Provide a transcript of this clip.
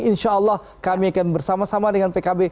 insyaallah kami akan bersama sama dengan pkb